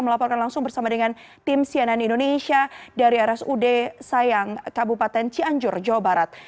melaporkan langsung bersama dengan tim cnn indonesia dari rsud sayang kabupaten cianjur jawa barat